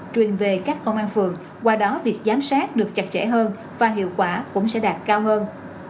truyền về các công an phường qua đó việc giám sát được chặt chẽ hơn và hiệu quả cũng sẽ đạt cao hơn